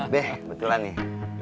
be kebetulan nih